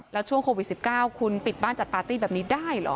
แล้วช่วงโควิด๑๙คุณปิดบ้านจัดปาร์ตี้แบบนี้ได้เหรอ